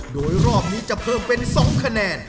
โดยรอบนี้จะเพิ่มเป็น๒คะแนน